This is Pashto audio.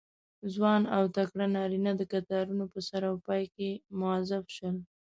ځوان او تکړه نارینه د کتارونو په سر او پای کې موظف شول.